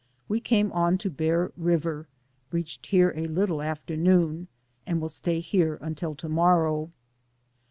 We came on to Bear River, reached here a little after noon, and will stay here until to morrow.